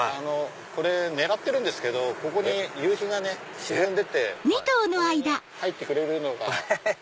これ狙ってるんですけどここに夕日がね沈んでってこの辺に入ってくれるのが。